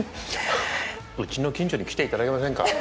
うちの近所に来ていただけませんか。